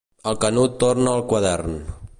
El Canut torna al quadern.